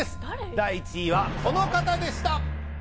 第１位はこの方でした！